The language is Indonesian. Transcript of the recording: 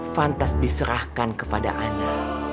fantas diserahkan kepada ana